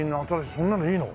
そんなのいいの？